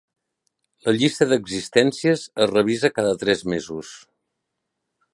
La llista d'existències es revisa cada tres mesos.